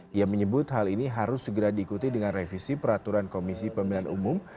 dia menyebut hal ini harus segera diikuti dengan revisi peraturan komisi pemilihan umum